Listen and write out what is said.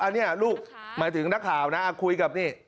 อันนี้ลูกหมายถึงนักข่าวนะคุยกับนี่